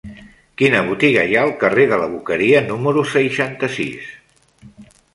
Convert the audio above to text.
Quina botiga hi ha al carrer de la Boqueria número seixanta-sis?